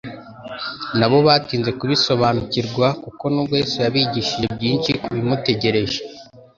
nabo batinze kubisobariukirwa kuko nubwo Yesu yabigishije byinshi ku bimutegereje,